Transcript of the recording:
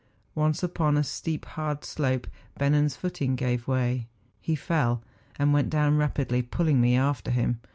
Once upon a steep hard slope Bennen's footing gave way; he fell, and went down rapidly, pulling me after him.